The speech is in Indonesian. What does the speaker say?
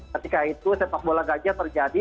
ketika itu sepak bola gajah terjadi